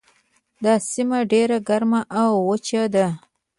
دا سیمه ډیره ګرمه او وچه ده.